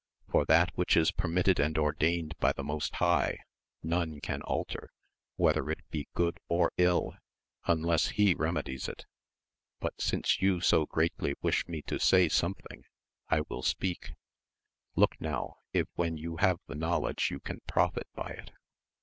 for that which is permitted and ordained by the Most High none can alter, whether it be gogd or ill, unless he remedies it ; but since you so greatly wish me to say something I will speak : look now, if when you have the knowledge you can profit by it